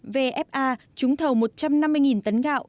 vfa trúng thầu một trăm năm mươi tấn gạo